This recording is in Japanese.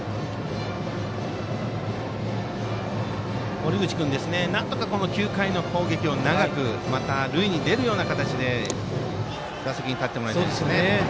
森口君なんとか９回の攻撃を長くしてまた、塁に出るような形で打席に立ってもらいたいです。